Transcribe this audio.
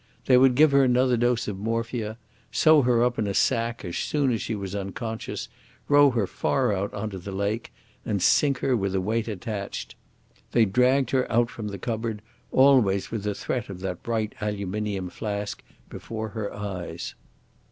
They would give her another dose of morphia, sew her up in a sack as soon as she was unconscious, row her far out on to the lake, and sink her with a weight attached. They dragged her out from the cupboard, always with the threat of that bright aluminium flask before her eyes.